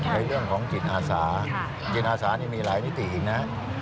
ในเรื่องของจิตอาสาจิตอาสานี่มีหลายมิติอีกนะ